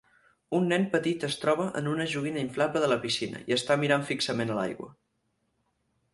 Un nen petit es troba en una joguina inflable de la piscina i està mirant fixament a l'aigua.